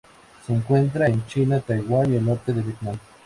Se encuentra en China, Taiwán y el norte de Vietnam.